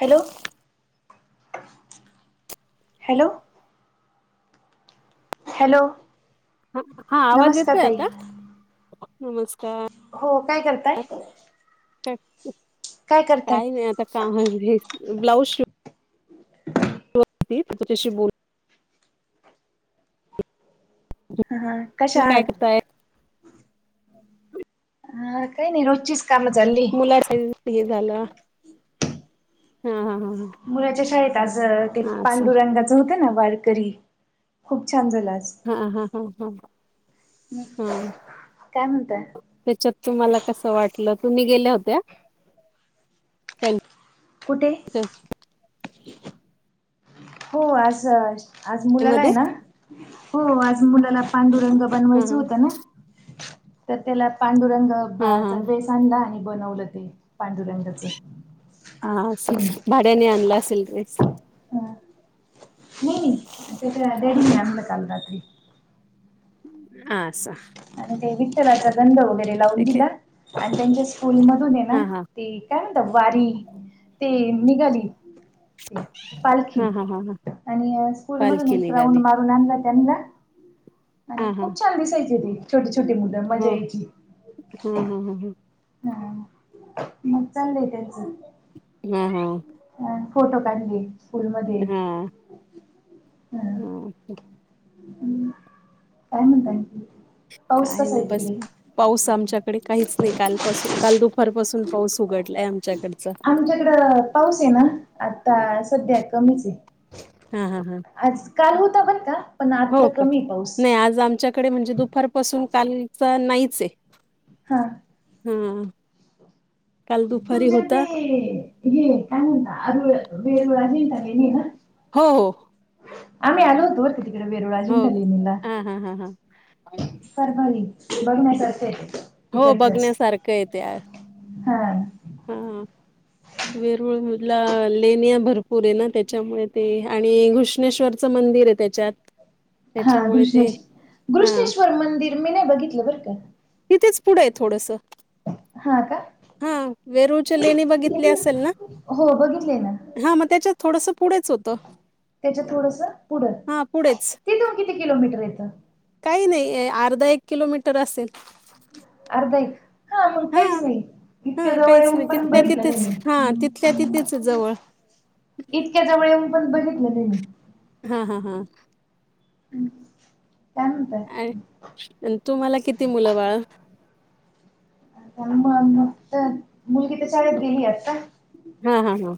Hello, hello. Hello. ह, हा आवाज नमस्कार येतोय ताई आता? नमस्कार. हो, काय करताय? काय करताय काही नाही, आता काम आवरली. ब्लाऊज शिव ती तुझ्याशी बोल. हा, हा कशा तुम्ही काय आहात? करताय हा, काही नाही रोजचीच काम चालली. मुलाचं हि झालं. हा, हा, ह, ह. मुलाच्या शाळेत आज ते पांडुरंगाच होतं ना वारकरी, खूप छान झालं आज. हा, हा, हा, हा, हं. काय म्हणताय त्येच्यात तुम्हाला कस वाटलं? तुम्ही गेल्या होत्या? त्याच्य कुठे? [unintelligible] हो, आज, आज मुलाला मध्ये आहे ना. हो आज मुलाला पांडुरंग हा बनवायच हा होत ना, त्यात त्याला हा पांडुरंगाचा हा ड्रेस आणला आणि बनवलं ते पांडुरंगाचं. हा अस, भाड्याने आणला असेल ड्रेस? नाही, नाही, त्याच्या डॅडीनी आणला काल रात्री. असं. आणि ते विठ्ठलाचा गंध वगैरे लावून ते काय दिला, आणि त्यांच्या स्कूल मधून ये ना. हा हा ती काय म्हणतात वारी, ते निघाली. पालखी हा हा हा हा आणि स्कूल मधून पालखी एक राउंड निघाली मारुन आणला त्यांना, आणि हा हा खूप छान दिसायचे ती. छोटी- छोटी मुलं मज्जा हो यायची. हा हा हा मग चागलं हाय त्यांचं. हा, हा. आं, फोटो काढले स्कूल मध्ये. हा [unintelligible] हं, काय म्हणताय? पाऊस काही कसा नाही आहे बस तिकडे? पाऊस आमच्याकडे काहीच नाही. कालपासून काल दुपारपासून पाऊस उघडलाय आमच्याकडचा. आमच्याकडं पाऊस आहे ना आता सध्या कमीच आहे. हा हा हा आज काल होता बरं का पण हो आता का कमी आहे पाऊस. नाही आज आमच्यात इकडे म्हणजे दुपारपासून कालच नाहीच आहे. हा. हं काल दुपारी तुमच्या होता. [unintelligible] [unintelligible] हो हो. आम्ही आलो होतो तिकडं वेरूळ हो अजिंठा लेणीला. हा हा हा हा परभणी बघण्यासारखे आहे हो तिकडचं. बघण्यासारखं हाय त हा. ह वेरूळ ला लेनिया भरपूर आहे ना त्याच्यामुळे ते आणि घृष्णेश्वरचं मंदिर आहे त्याच्यात. हा त्याच्यामुळे ते घृष्णेश हा घृष्णेश्वर मंदिर मी नाही बघितलं बरं का. तिथेच पुढे आहे थोडंसं. हा का. वेरूळच्या लेणी बघितली असेल ना. हो बघितलंय ना हा मग त्याच्या थोडसं पुढेच होतं. त्याच्या थोडसं पुढं, हां, पुढेच. तिथून किती किलोमीटर येतं. काही नाही अर्धा एक किलोमीटर असेल. अर्धा एक हा मग हां, काहीच नाही. इतक्या हां, जवळ काहीच ये नाही पण तिथल्या बघितलं नाही तिथेच मी. हां, तिथल्या तिथेच जवळ. इतक्या जवळ येऊन पण बघितलं नाही मी. हा हा हा. काय म्हणताय. आणि तुम्हाला किती मुलं बाळ. [unintelligible] मुलगी तर शाळेत गेली आता. हा हा हा.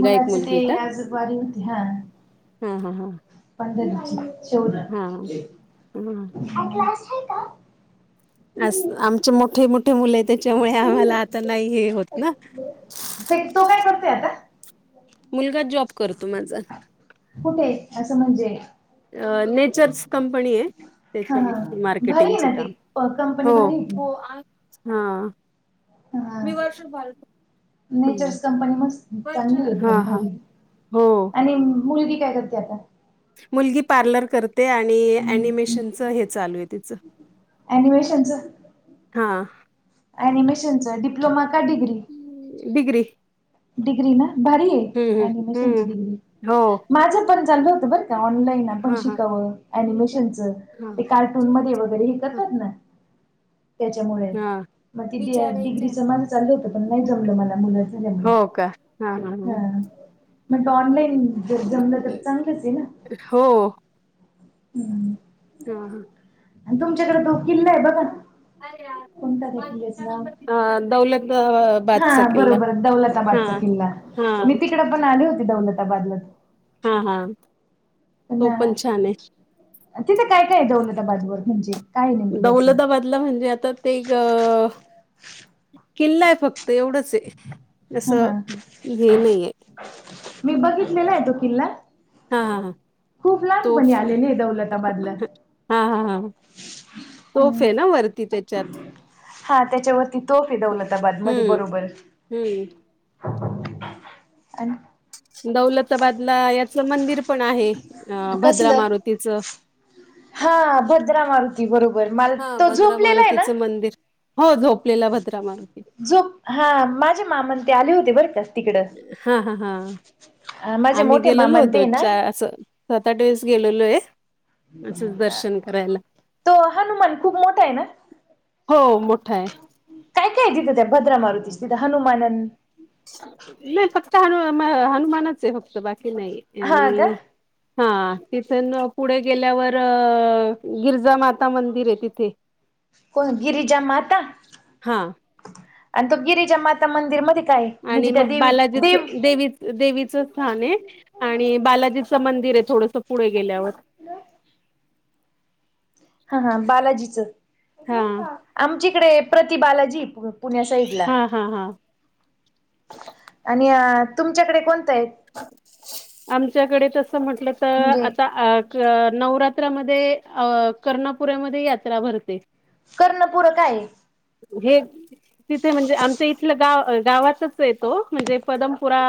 मुलाचे ते आज वारी होती हा. हा हा हा. हां. [unintelligible] असं आमचे मोठे मोठे मुले आहे त्याच्यामुळे आम्हाला आता नाही हे होत ना. ते तो काय करतोय आता. मुलगा जॉब करतो माझा. कुठे असं म्हणजे. अ, नेचर्स कंपनी आहे हा हा त्याच्यामध्ये भारी आहे मार्केटिंगचे ना ती. काम. कंपनी भारीे आहे की. हा हा मी वर्ष [unintelligible] नेचर्स कंपनी मस्त चांगली आहे हां, हां. कंपनी, हो. आणि मुलगी काय कर ती अता मुलगी पार्लर कर ते आणि अनिमेशनच हे चालूय तिच. अनिमेशनच हा ॲनिमेशनचं डिप्लोमा का डिग्री. डिग्री. डिग्री ना, भारीय हं हं ॲनिमेशनची हं डिग्री, हो माझ पण चाललं होतं बर. काम नाही ना पण हां हां. शिकावं मी करा अनिमेशनच, हां. ते कार्टून चे मध्ये वगैरे हे करतात ना. त्याच्यामुळे हां. मग ते डि विचारायचंय. डिग्रीच माझ चाललं होत पण नाही जमलं मला मुलाचं जमलं. हो का हां हां हां हा म्हणलं, ऑनलाईन जर जमलं तर चांगलंच, ना... हो.... हम् हा... हा... आणि तुमच्याकडे तो किल्लाय बघा अर या. [unintelligible] हा दौलताबादचा किल्ला बरोबर हां दौलताबाद चा किल्ला, हां मी तिक. तिकड़ पण आली होती, दौलताबादला हा... हा... ना, तिथं काय काय, दौलताबादवर तुमची दौलताबाद तिथलं म्हणजे आता ते गं... किल्लाय फक्त एवढंचं हा असं, हा. हे नाहीये. मी बघितलेलाय तो किल्ला हा हा हा खूप लहानपणी तोफ आलेलेय दौलताबादला हा.. हा.. हा.. [unintelligible] तोफ हम्म. ना वरती त्याच्यात हा, त्याच्यावरती तोफ दौलताबाद मध्ये हम्म बरोबर हम्म [unintelligible] आणि दौलताबादला याच मंदिर पण आहे. अ.. भद्रा कसलं? मारुतीच. हा... भद्रा मारुती बरोबर, माल हा तो भद्रा झोपलेलाय ना.. मारुतीचं मंदिर हो... झोपलेला भद्रा मारुती. झोप, हा.. माझे मामा अनं ते आले होते बरं का तिकडं हा... हा.. हा... माझे आम्ही मोठे गेलेलो मामा होतो. ते ना चा असं सात, आठ, वेळेस गेलेलोय.... [unintelligible] तो हनुमान खूप मोठाय, ना... हो.... मोठा आहे. काय.. काय.. तिथं, त्या भद्रा मारुतीच्या तिथं हनुमान अनं [unintelligible] हे फक्त हनु मा हनुमानाचं फक्त बाकी नाही हा आणि का? हा... तिथुन पुढे गेल्यावर अ... गिरजा माता मंदिर् तिथे [inaudible] कोण, गिरिजा माता हा [unintelligible] अनं तो गिरिजा माता मंदिर मध्ये काय आहे आणि, म्हणजे त्या मग देवी बालाजीच देव देवी देवीचं स्थानं. आणि बालाजीचं मंदिरं, थोडसं पुढे गेल्यावर हा... हा... बालाजीचं हा...... आमचीकडे, प्रतिबालाजी पु पुण्या साईडला हा हा हा [unintelligible] आणि अ तुमच्याकडे कोणतंय. [unintelligible] आमच्याकडे तस म्हंटलं, त म्हणजे आता आ नवरात्रामध्ये अ कर्णपुऱ्यामध्ये यात्रा भरते. कर्णपूरा काय आहे. हे [unintelligible] तिथे म्हणजे आमच्या इथलं गाव गावाातच पेतो म्हणजे पदमपुरा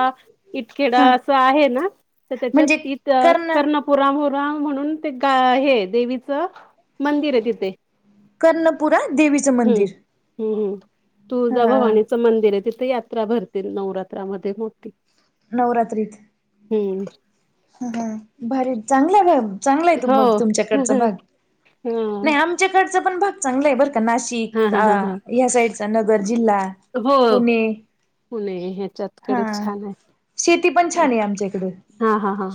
इटखेडा हा अस आहे. ना तर त्याच्यात म्हणजे त कर्ण करण पुरामुरा म्हणून ते गा हे देवीचं मंदिर आहे. तिथे कर्णपुरा देवी हम्म हम्म्, ह ह तुळजाभवानीच मंदिर आहे. तिथे यात्रा भरते. नवरात्रामध्ये मोठी नवरात्रीत हम्म, भारी चांगला चांगला आहे त मग हो तुमच्याकडचा भाग ह नाही आम आमच्याकडचा पण भाग चांगला आहे बर का नाशिक. हा किक हा हा आ हा या साईडचा नगर जिल्हा हो पुणे पुणे हा ह्याच्यातकडे छान आहे शेती पण छान आहे आमच्याकडे. हा हा हा,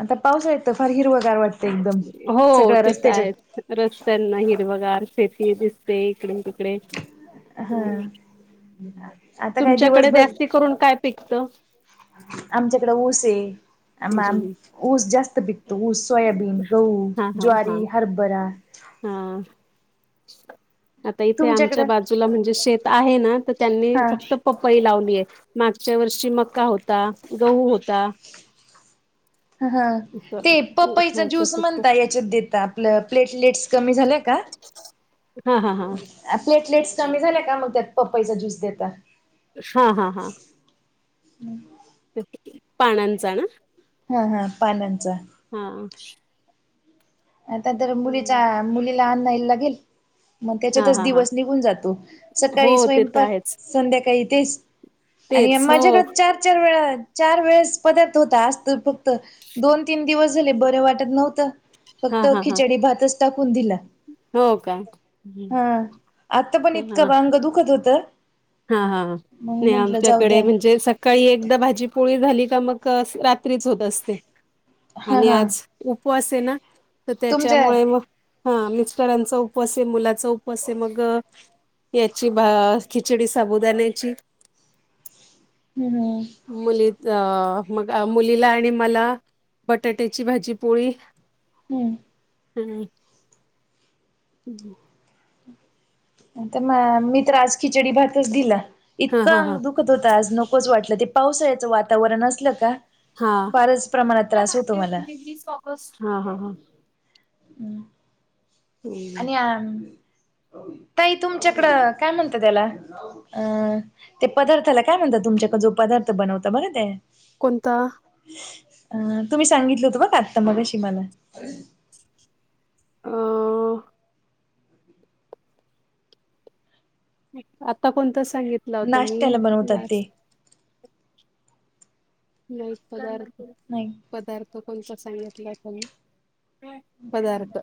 आता पावसाळ्यात तं फार हिरवगार वाट हो. ते तर आहेत. रस्त्यांना हिरवगार शेती दिसते. इकडून तिकडे हम्म हां, तुमच्याकडे जास्ती करून काय पिकतं. आमच्याकडे ऊस आहे. आ मॅम ऊस जास्त पिकतो ऊस, सोयाबीन, गहू, हा हा हा ज्वारी, हरभरा हा, आता इथे आमच्या तुमच्याकडं बाजूला म्हणजे शेत आहे ना, त त्यांनी हा फक्त पपई लावलीय मागच्या वर्षी मका होता. गहू होता. ह ह, असं. ते पपईचा हा ज्यूस तसंच. म्हणता याच्यात देता आपलं प्लेटलेट्स कमी झाल्या का? हा हा हा, प्लेटलेट्स कमी झाल्या का मग त्यात पपईचा ज्यूस देता. हा हा हा, हम्, पानांचा ना, हा हा, पानांचा हा, आता तर मुलीचा हम्म. मुलीला अन्नायला लागेल. मग हा त्याच्यातच हा हा दिवस निघून जातो हो सकाळी ते तर स्वयंपाक आहेच संध्याकाळी तेच आणि तेच हो माझ्याकडे चार चार वेळा चार वेळेस पदार्थ होता आज त फक्त दोन तीन दिवस झाले बरे वाटत नव्हतं हा फक्त हा हा खिचडी भातच टाकून दिला. हो का. हा. आता पण इतकं अ अंग दुखत होत. हा हा हा, नाही आमच्याकडे म्हण जे सकाळी एकदा भाजी पोळी झाली का मग रात्रीच होत असते. हा आणि हा. आज उपवास आहे ना, तर तुमच्या त्याच्यामुळे मग हा मिस्टरांचा उपवास आहे. मुलाचा उपवास आहे. मग याची भा खिचडी साबुदाण्याची. हम्म. मुली द अ मग अ मुलीला आणि मला बटाट्याची भाजी, पोळी. हम्म. कानाय. अहम्म. त मा मी तर आज खिचडी भातच दिला, हां इतकं हां अंग हां दुख दुखत होत आज नकोच वाटलं ते पावसाळ्याचं वातावरण असलं का? हा, फारच प्रमाणात त्रास होतो मला [unintelligible] वीस ऑगस्ट, हा हा हा. हं. आणि आम, ताई तुमच्याकडं काय म्हणतात याला? अ, ते पदार्थाला काय म्हणतात तुमच्याकडे जो पदार्थ बनवता बर काय? कोणता? अ तुम्ही सांगितलं होतं ब काता मगशी मला. अ. आता कोणतं सांगितलं होतं मी, नाश्त्याला बनवतात नाच ते लई पदार्थ नई. पदार्थ कोणता सांगितलाय का मी, काय, पदार्थ?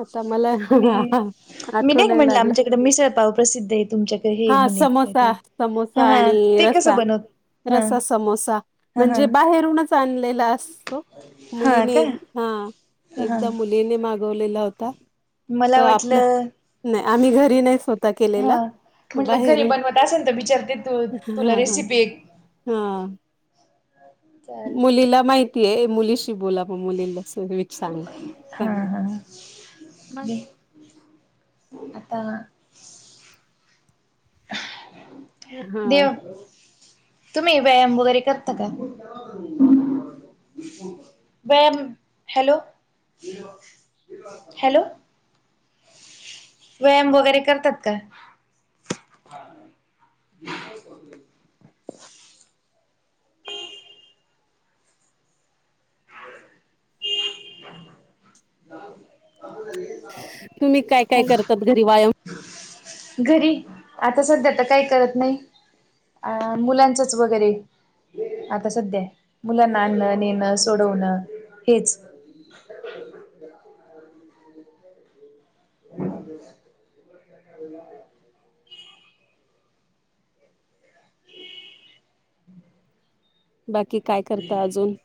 आता मला, मी मी आठाऊ नाही म्हणलं लागलं, आमच्याकडे मिसळपाव प्रसिद्ध आहे तुमच्याकडे हे हा म्हणे काय समोसा. ते समोसा हा हा आणि ते कसं रस्सा. बनवत हा रस्सा समोसा, हा हा म्हणजे बाहेरूनच आणलेला असतो. हा मुलीने का हा, ह एकदा ह मुलीने मागवलेला होता. त मला आपला, वाटलं नाही आम्ही घरी नाही स्वतः केलेला. हा म्हटलं घरी बाहेरून बनवत असेल तर विचारते तू- तुला हा हा रेसिपी? हा. चालेल मुलीला माहितीये मुलीशी बोला म मुलीला सगळीच सांग, सांग ग. [inaudible] हॅलो, आता हा देव तुम्ही व्यायाम वगैरे करता का? व्यायाम, हॅलो, हॅलो. व्यायाम वगैरे करतात का? [inaudible] [unintelligible] तुम्ही काय काय करतात हॅलो घरी व्यायाम? घरी, आता सध्याता काय करत नाही. अ मुलांचच वगैरे. आता सध्या, मुलांना आणणं नेणं सोडवणं, हेच. [inaudible] [unintelligible] बाकी काय करता अजून?